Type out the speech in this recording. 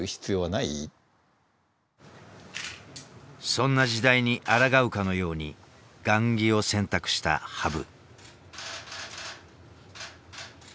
そんな時代にあらがうかのように雁木を選択した羽生。